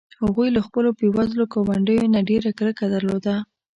هغوی له خپلو بې وزلو ګاونډیو نه ډېره کرکه درلوده.